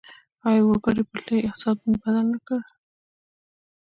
آیا د اورګاډي پټلۍ اقتصاد بدل نه کړ؟